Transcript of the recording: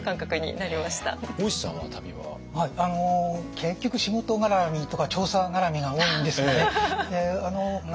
結局仕事がらみとか調査がらみが多いんですよね。